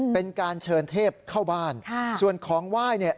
เป็นการเชิญเทพเข้าบ้านส่วนของไหว้เนี่ย